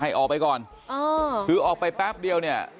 ออกไปก่อนอ๋อคือออกไปแป๊บเดียวเนี่ย